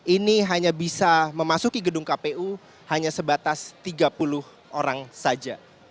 ini hanya bisa memasuki gedung kpu hanya sebatas tiga puluh orang saja